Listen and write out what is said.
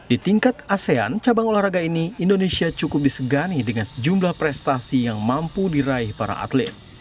di tingkat asean cabang olahraga ini indonesia cukup disegani dengan sejumlah prestasi yang mampu diraih para atlet